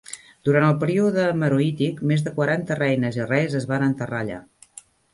Durant el període meroític, més de quaranta reines i reis es van enterrar allà.